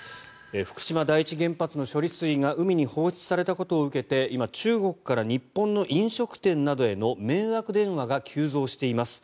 福島第一原発の処理水が海に放出されたことを受けて今、中国から日本の飲食店などへの迷惑電話が急増しています。